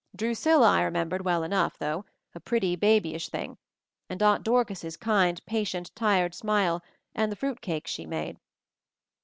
Drusilla I remembered well enough, though, a pretty, babyish thing, and Aunt Dorcas's kind, patient, tired smile, and the fruit cakes she made.